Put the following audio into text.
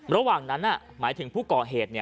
ระหว่างนั้นหมายถึงผู้ก่อเหตุ